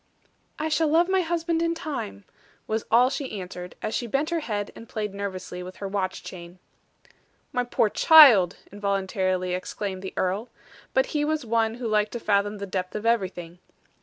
"I shall love my husband in time," was all she answered, as she bent her head, and played nervously with her watch chain. "My poor child!" involuntarily exclaimed the earl. But he was one who liked to fathom the depth of everything.